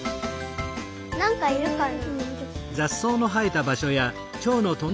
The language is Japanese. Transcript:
なんかいるかな？